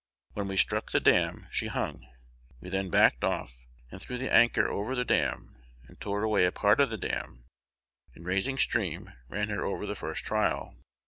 When we struck the dam, she hung. We then backed off, and threw the anchor over the dam, and tore away a part of the dam, and, raising steam, ran her over the first trial.